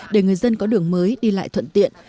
để người dân có đường mới đi lại thuận tiện